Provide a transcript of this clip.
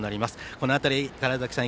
この辺り、川原崎さん